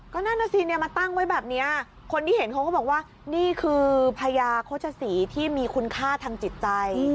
ก็นั่นน่ะสิเนี่ยมาตั้งไว้แบบนี้คนที่เห็นเขาก็บอกว่านี่คือพญาโฆษศรีที่มีคุณค่าทางจิตใจ